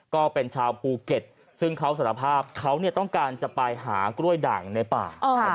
ก็เป็นชาวภูเก็ตซึ่งเขาสารภาพเขาต้องการจะไปหากล้วยด่างในป่า